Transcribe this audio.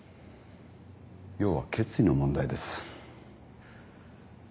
要は決意の問題です。